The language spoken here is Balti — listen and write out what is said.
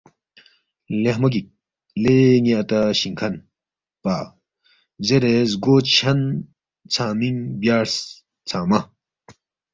لیخمو گِک لے ن٘ی اتا شِنگ کھن پا زیرے زگو چھن ژھنگمِنگ بیارس ژھنگمہ